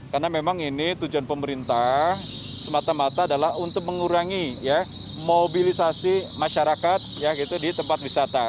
karena memang ini tujuan pemerintah semata mata adalah untuk mengurangi mobilisasi masyarakat di tempat wisata